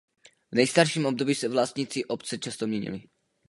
V nejstarším období se vlastníci obce často měnili.